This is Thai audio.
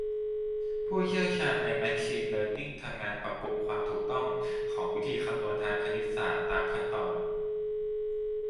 ผู้เชี่ยวชาญในแมชีน เลิร์นนิ่งทำงานปรับปรุงความถูกต้องของวิธีคำนวณทางคณิตศาสตร์ตามขั้นตอน